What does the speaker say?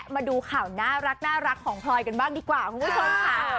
มาดูข่าวน่ารักของพลอยกันบ้างดีกว่าคุณผู้ชมค่ะ